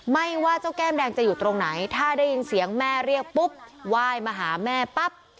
ไม่ว่าเจ้าแก้มแดงจะอยู่ตรงไหนถ้าได้ยินเสียงแม่เรียกปุ๊บไหว้มาหาแม่ปั๊บ